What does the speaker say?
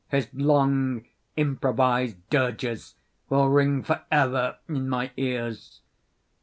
His long improvised dirges will ring forever in my ears.